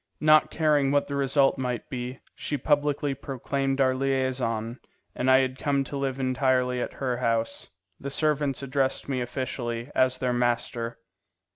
Not caring what the result might be, she publicly proclaimed our liaison, and I had come to live entirely at her house. The servants addressed me officially as their master.